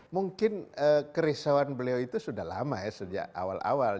mungkin kerisauan beliau itu sudah lama ya sejak awal awal